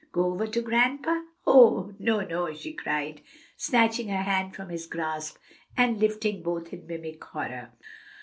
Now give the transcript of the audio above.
go over to grandpa?" "Oh, no, no!" she cried, snatching her hand from his grasp, and lifting both in mimic horror.